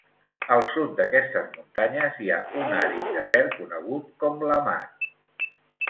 Al sud d'aquestes muntanyes hi ha un àrid desert conegut com l'Hamad.